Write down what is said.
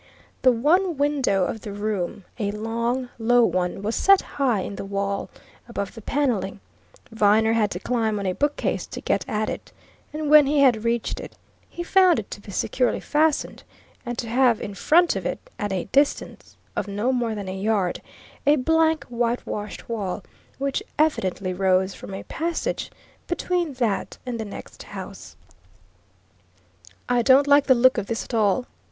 The one window of the room, a long, low one, was set high in the wall, above the panelling; Viner had to climb on a bookcase to get at it. And when he had reached it, he found it to be securely fastened, and to have in front of it, at a distance of no more than a yard, a blank whitewashed wall which evidently rose from a passage between that and the next house. "I don't like the look of this at all!"